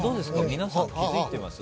皆さん気付いてます？